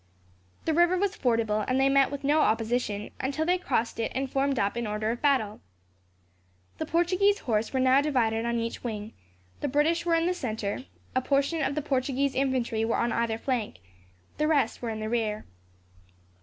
The river was fordable, and they met with no opposition, until they crossed it and formed up in order of battle. The Portuguese horse were now divided on each wing, the British were in the centre; a portion of the Portuguese infantry were on either flank, the rest were in the rear.